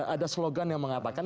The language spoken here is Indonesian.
ada slogan yang mengapakan